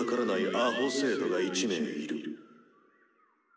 アホ生徒が１名いる」。